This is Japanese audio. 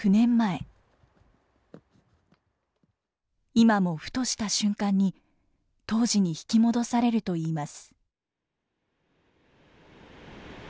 今もふとした瞬間に当時に引き戻されるといいます。